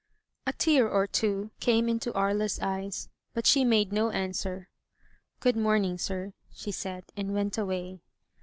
A tear or two came into Aria's eyes, but she made no answer. *' Good morning, sir,'* she said, and went away.